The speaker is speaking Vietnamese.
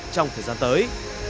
trong thời gian tới